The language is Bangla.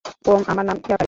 উম, আমার নাম ইয়াকারি।